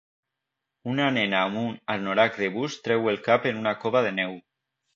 Una nena amb un anorac de bus treu el cap en una cova de neu.